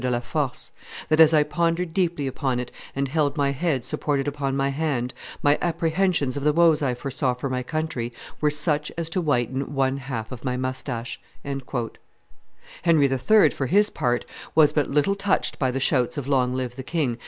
de la Force, "that, as I pondered deeply upon it and held my head supported upon my hand, my apprehensions of the woes I foresaw for my country were such as to whiten one half of my mustache." [Memoires du Due de la Force, t. i. p. 50.] Henry III., for his part, was but little touched by the shouts of Long live the king!